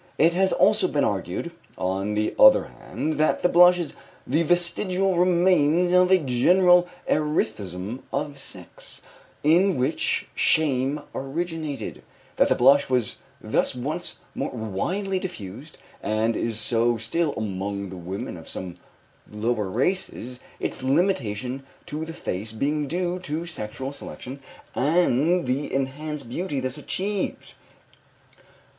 It has also been argued, on the other hand, that the blush is the vestigial remains of a general erethism of sex, in which shame originated; that the blush was thus once more widely diffused, and is so still among the women of some lower races, its limitation to the face being due to sexual selection and the enhanced beauty thus achieved.